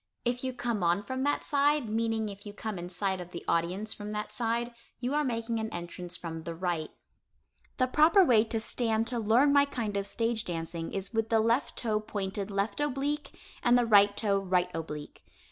If you come on from that side (meaning if you come in sight of the audience from that side) you are making an entrance from the right. The proper way to stand to learn my kind of stage dancing is with the left toe pointed left oblique, and the right toe right oblique.